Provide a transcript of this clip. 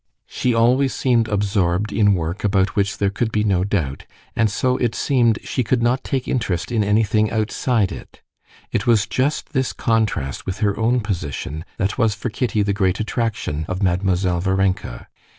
She always seemed absorbed in work about which there could be no doubt, and so it seemed she could not take interest in anything outside it. It was just this contrast with her own position that was for Kitty the great attraction of Mademoiselle Varenka.